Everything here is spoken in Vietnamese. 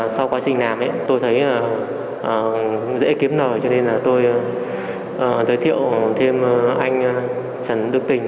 sau quá trình làm tôi thấy dễ kiếm nợ cho nên tôi giới thiệu thêm anh trần đức tình